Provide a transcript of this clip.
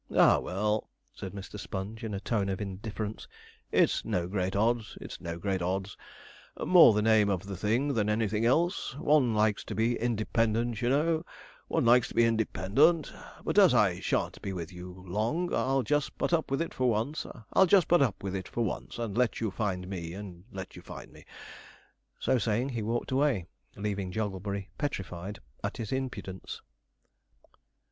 'Ah, well,' said Mr. Sponge, in a tone of indifference; 'it's no great odds it's no great odds more the name of the thing than anything else; one likes to be independent, you know one likes to be independent; but as I shan't be with you long, I'll just put up with it for once I'll just put up with it for once and let you find me and let you find me.' So saying, he walked away, leaving Jogglebury petrified at his impudence.